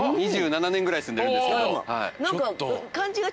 ２７年ぐらい住んでるんですけど。